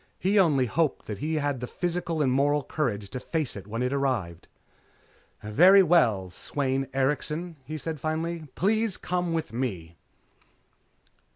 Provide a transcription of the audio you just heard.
He only hoped that he had the physical and moral courage to face it when it arrived. "Very well, Sweyn Erikson," he said finally. "Please come with me."